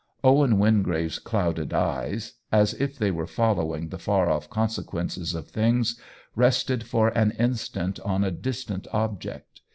Owen Wingrave's clouded eyes, as if they were following the far off consequences of things, rested for an instant on a distant object.